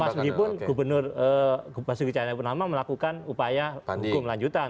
mas mdipun gubernur basuki cahaya ibu nama melakukan upaya hukum lanjutan